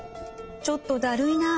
ちょっとだるいなあ。